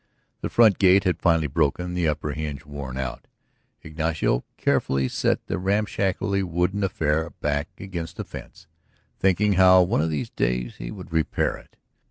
The front gate had finally broken, the upper hinge worn out; Ignacio carefully set the ramshackly wooden affair back against the fence, thinking how one of these days he would repair it.